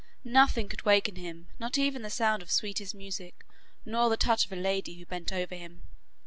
Nothing could waken him, not even the sound of sweetest music, nor the touch of a lady who bent over him.